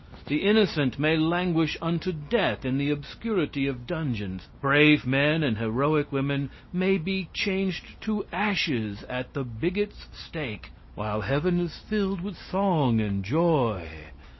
The innocent may languish unto death in the obscurity of dungeons; brave men and heroic women may be changed to ashes at the bigot's stake, while heaven is filled with song and joy.